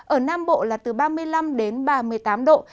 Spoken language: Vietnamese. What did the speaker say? ở nam bộ là từ ba mươi năm đến ba mươi tám độ